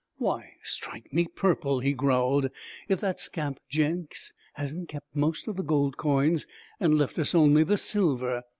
'Why, strike me purple,' he growled, 'if that scamp Jenks hasn't kept most of the gold coins and left us only the silver!